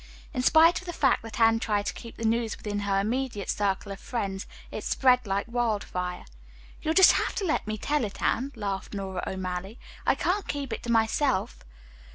In spite of the fact that Anne tried to keep the news within her immediate circle of friends, it spread like wildfire. "You'll just have to let me tell it, Anne," laughed Nora O'Malley. "I can't keep it to myself."